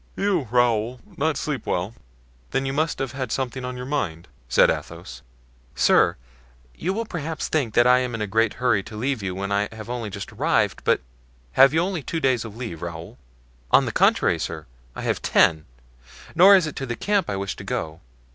"You, Raoul, not sleep well! then you must have something on your mind!" said Athos. "Sir, you will perhaps think that I am in a great hurry to leave you when I have only just arrived, but——" "Have you only two days of leave, Raoul?" "On the contrary, sir, I have ten; nor is it to the camp I wish to go."